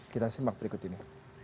kita simak berikut ini